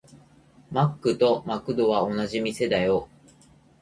マックとマクドは同じ店だよ。